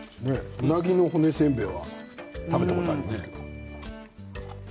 うなぎの骨せんべいは食べたことあるけどね。